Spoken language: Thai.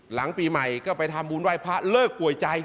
หลังปีใหม่ก็ไปทำบุญไหว้พระเลิกป่วยใจ